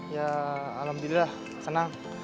ya alhamdulillah senang